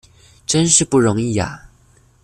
真是不容易啊！